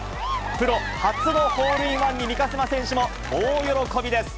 プロ初のホールインワンに、三ヶ島選手も大喜びです。